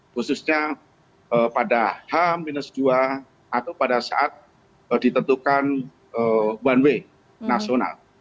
khususnya pada h dua atau pada saat ditentukan one way nasional